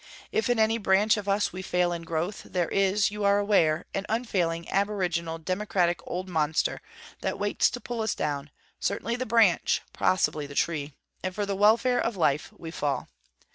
If in any branch of us we fail in growth, there is, you are aware, an unfailing aboriginal democratic old monster that waits to pull us down; certainly the branch, possibly the tree; and for the welfare of Life we fall.